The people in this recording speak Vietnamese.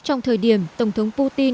trong thời điểm tổng thống putin